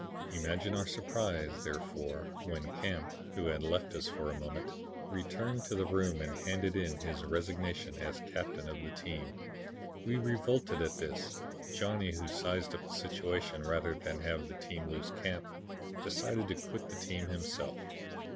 Imagine our surprise, therefore, when Camp, who had left us for a moment, returned to the room and handed in his resignation as captain of the team. We revolted at this. Johnny, who sized up the situation, rather than have the team lose Camp, decided to quit the team himself.